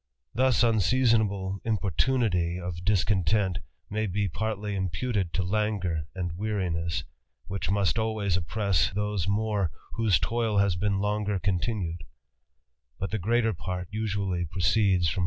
Thus_ inseasona ble impo rtunity of dis content may be partly g puted To^ laagufli: anH^JJ^arin^gg^ whirh must always oppress those more whose toil has been longer continued ; >ut the gre ater part usually proceeds from